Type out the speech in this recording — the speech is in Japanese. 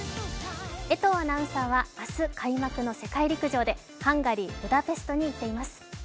江藤アナウンサーは明日開幕の世界陸上でハンガリー・ブダペストに行っています。